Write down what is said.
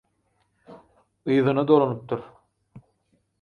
yzyna dolanypdyr.